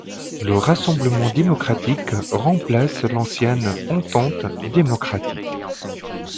Le Rassemblement démocratique remplace l'ancienne Entente démocratique.